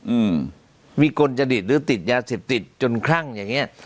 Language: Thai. อืมวิกลจริตหรือติดยาเสพติดจนคลั่งอย่างเงี้ย